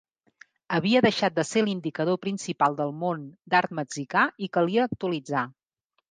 Havia deixat de ser l'indicador principal del món d'art mexicà i calia actualitzar.